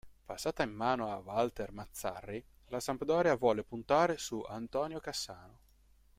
Passata in mano a Walter Mazzarri, la Sampdoria volle puntare su Antonio Cassano.